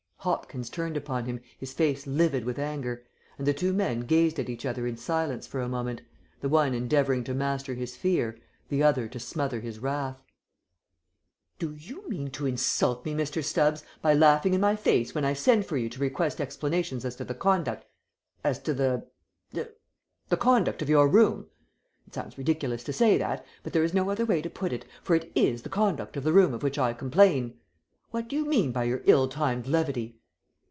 Hopkins turned upon him, his face livid with anger, and the two men gazed at each other in silence for a moment, the one endeavouring to master his fear, the other to smother his wrath. "Do you mean to insult me, Mr. Stubbs, by laughing in my face when I send for you to request explanations as to the conduct as to the er the conduct of your room? It sounds ridiculous to say that, but there is no other way to put it, for it is the conduct of the room of which I complain. What do you mean by your ill timed levity?"